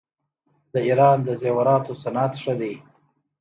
د ایران د زیوراتو صنعت ښه دی.